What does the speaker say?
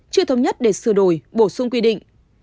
chưa thống nhất để sửa đổi bổ sung quy định